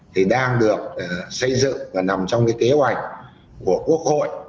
thì đang được xây dựng và nằm trong cái kế hoạch của quốc hội